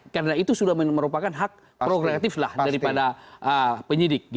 karena itu sudah merupakan hak prokreatif daripada penyidik